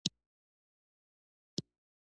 او اوښانو باندي سپور کړی وې، ښځي يعني ميرمنې